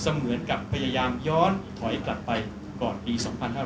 เหมือนกับพยายามย้อนถอยกลับไปก่อนปี๒๕๕๙